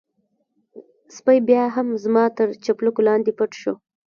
سپی بيا هم زما تر چپلکو لاندې پټ شو.